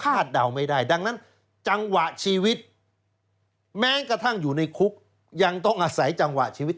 เดาไม่ได้ดังนั้นจังหวะชีวิตแม้กระทั่งอยู่ในคุกยังต้องอาศัยจังหวะชีวิต